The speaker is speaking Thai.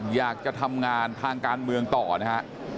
อยากจะทำงานทางการเมืองต่อนะฮะ